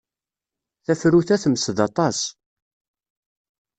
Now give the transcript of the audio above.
Tafrut-a temsed aṭas.